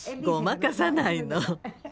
ごまかさないの。